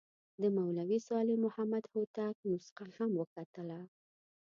د مولوي صالح محمد هوتک نسخه هم وکتله.